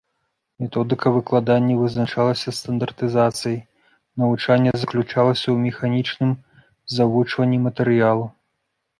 Методыка выкладання вызначалася стандартызацыяй, навучанне заключалася ў механічным завучванні матэрыялу.